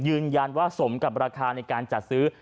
ยืนยันว่าสมกับราคาในการจัดซื้อ